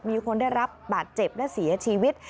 มีคนได้รับบาดเจ็บและเสียชีวิต